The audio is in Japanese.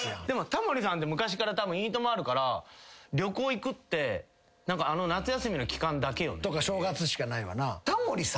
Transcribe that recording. でもタモリさんって昔から『いいとも！』あるから旅行行くって夏休みの期間だけよね。とか正月しかないわな。